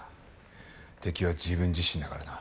敵は自分自身だからな。